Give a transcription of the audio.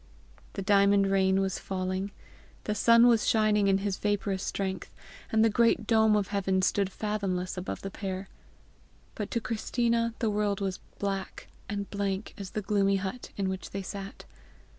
The diamond rain was falling, the sun was shining in his vaporous strength, and the great dome of heaven stood fathomless above the pair; but to Christina the world was black and blank as the gloomy hut in which they sat.